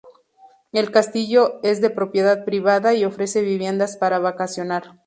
El castillo es de propiedad privada y ofrece viviendas para vacacionar.